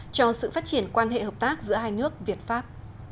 cho sự phát triển quan hệ hợp tác giữa hai nước việt pháp